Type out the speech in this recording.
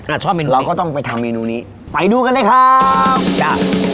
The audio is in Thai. ชอบเมนูเราก็ต้องไปทำเมนูนี้ไปดูกันเลยครับจ้ะ